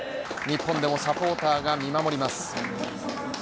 日本でもサポーターが見守ります。